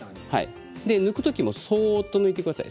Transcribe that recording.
抜く時もそっと抜いてください。